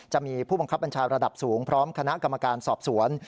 จะมีผู้บังคับบัญชาระดับสูงพร้อมคณะกรรมการสอบสวน